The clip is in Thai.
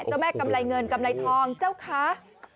เจ้าแม่กำไรเงินกำไรทองเจ้าค้า